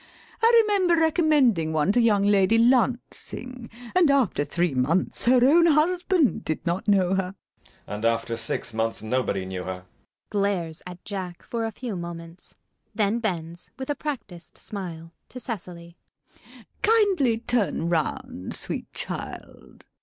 I remember recommending one to young Lady Lancing, and after three months her own husband did not know her. JACK. And after six months nobody knew her. LADY BRACKNELL. [Glares at Jack for a few moments. Then bends, with a practised smile, to Cecily.] Kindly turn round, sweet child.